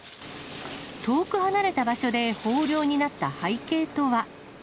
遠く離れた場所で豊漁になった背景とは。